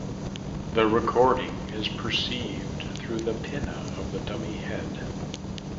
The recording is perceived through the pinnae of the dummy head.